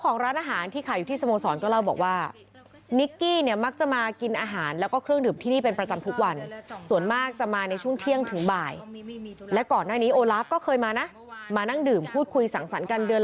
นี่คือนิกกี้ใช่ไหมครับคำพูด